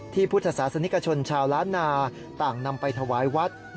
พุทธศาสนิกชนชาวล้านนาต่างนำไปถวายวัด